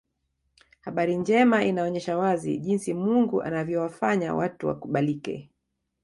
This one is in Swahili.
Habari njema inaonyesha wazi jinsi Mungu anavyowafanya watu wakubalike